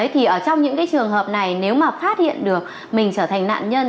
thì ở trong những cái trường hợp này nếu mà phát hiện được mình trở thành nạn nhân